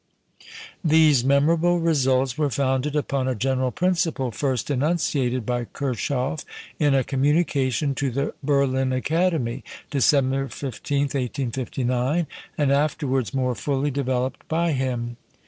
These memorable results were founded upon a general principle first enunciated by Kirchhoff in a communication to the Berlin Academy, December 15, 1859, and afterwards more fully developed by him.